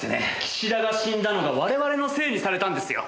岸田が死んだのが我々のせいにされたんですよ。